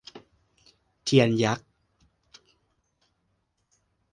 เทียนยักษ์